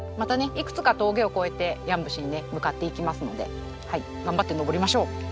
いくつか峠を越えて山伏に向かっていきますのではい頑張って登りましょう。